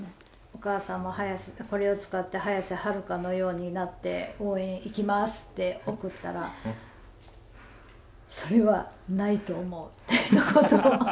お母さんもこれを使って、綾瀬はるかのようになって応援行きますって送ったら、それはないと思うってひと言。